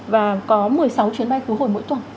và có một mươi sáu chuyến bay khứ hồi mỗi tuần